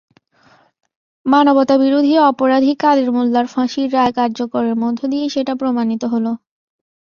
মানবতাবিরোধী অপরাধী কাদের মোল্লার ফাঁসির রায় কার্যকরের মধ্য দিয়ে সেটা প্রমাণিত হলো।